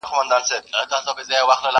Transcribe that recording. دا مورچل، مورچل پکتيا او دا شېر برېتي؛